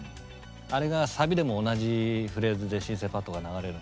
あれがサビでも同じフレーズでシンセパッドが流れるんですよ。